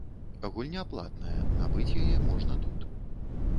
Гульня платная, набыць яе можна тут.